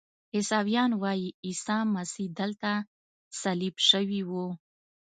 عیسویان وایي عیسی مسیح دلته صلیب شوی و.